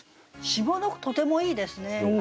下の句とてもいいですね。